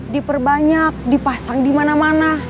diperbanyak dipasang dimana mana